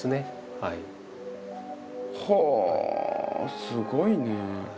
はあすごいね。